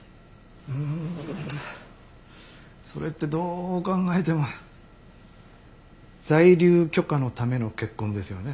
ううんそれってどう考えても在留許可のための結婚ですよね？